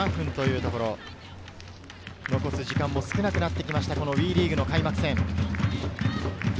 残り時間が少なくなってきました、ＷＥリーグ開幕戦。